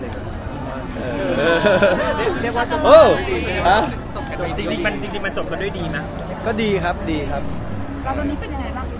อ๋อน้องมีหลายคน